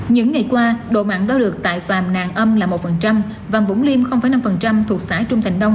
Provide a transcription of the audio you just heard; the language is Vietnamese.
những ngày qua độ mặn đo được tại phàm nàng âm là một vàm vũng liêm năm thuộc xã trung thành đông